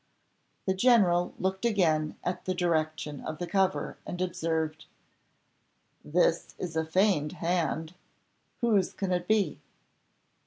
The general looked again at the direction of the cover, and observed, "This is a feigned hand. Whose can it be?"